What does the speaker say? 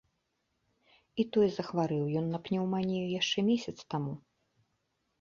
І тое захварэў ён на пнеўманію яшчэ месяц таму.